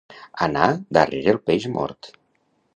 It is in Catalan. Anar darrere el peix mort.